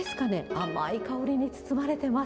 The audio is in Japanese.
甘い香りに包まれてます。